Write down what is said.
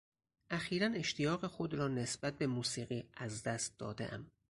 اخیرا اشتیاق خود را نسبت به موسیقی از دست دادهام.